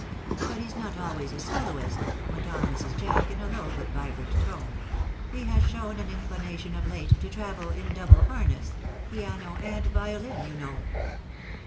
"But he's not always a soloist," went on Mrs. Jack, in a low but vibrant tone; "he has shown an inclination of late to travel in double harness piano and violin, you know."